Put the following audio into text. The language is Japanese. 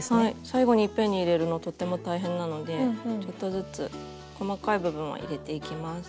最後にいっぺんに入れるのとっても大変なのでちょっとずつ細かい部分は入れていきます。